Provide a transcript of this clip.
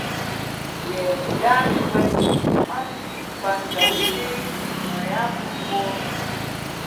Ghen ndát nkwēn ά dǐʼ pǎtjam nté mα ǎ púá.